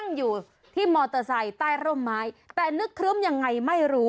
โปรดติดตามตอนต่อไป